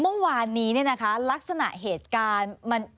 เมื่อวานนี้นะคะลักษณะเหตุการณ์